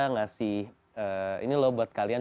ngasih ini loh buat kalian